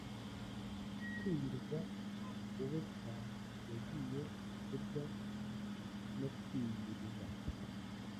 Kwiyiriza ubua yagiye kuryama, no kwiyiriza